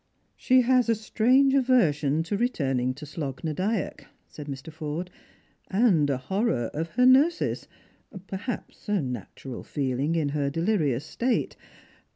" She has a strange aversion to returning to Slogh na Dyack," said Mr. Forde, " and a horror of her nurses, perhaps a natural feeling in her delirious state.